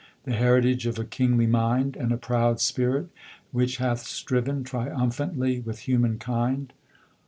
The heritage of a kingly mind, And a proud spirit which hath striven Triumphantly with human kind.